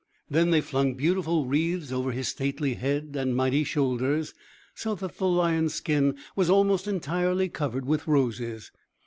Then they flung beautiful wreaths over his stately head and mighty shoulders, so that the lion's skin was almost entirely covered with roses.